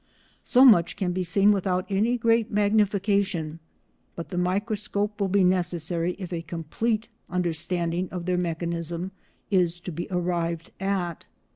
So much can be seen without any great magnification, but the microscope will be necessary if a complete understanding of their mechanism is to be arrived at.